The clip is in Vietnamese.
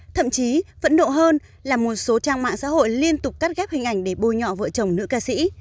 thậm chí phẫn độ hơn là một số trang mạng xã hội liên tục cắt ghép hình ảnh để bôi nhọ vợ chồng nữ ca sĩ